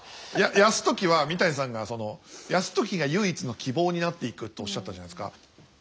泰時は三谷さんが泰時が唯一の希望になっていくとおっしゃったじゃないですか。